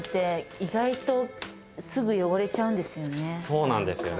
そうなんですよね。